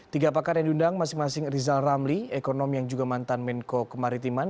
tiga pakar yang diundang masing masing rizal ramli ekonom yang juga mantan menko kemaritiman